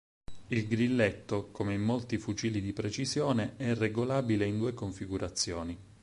Il grilletto, come in molti fucili di precisione, è regolabile in due configurazioni.